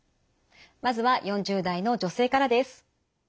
まずは４０代の女性からです。